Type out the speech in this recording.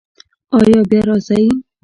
ایا بیا راځئ؟